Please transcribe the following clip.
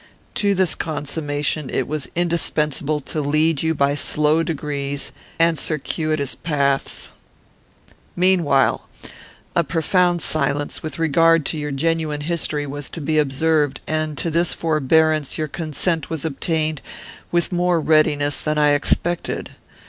To this consummation it was indispensable to lead you by slow degrees and circuitous paths. Meanwhile, a profound silence, with regard to your genuine history, was to be observed; and to this forbearance your consent was obtained with more readiness than I expected.